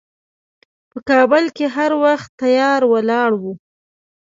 په کابل کې هر وخت تیار ولاړ و.